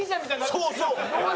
そうそう。